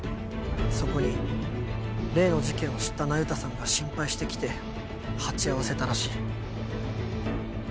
そこに例の事件を知った那由他さんが心配して来て鉢合わせたらしい。